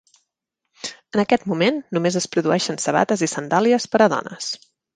En aquest moment, només es produeixen sabates i sandàlies per a dones.